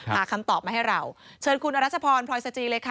หาคำตอบมาให้เราเชิญคุณอรัชพรพลอยสจีเลยค่ะ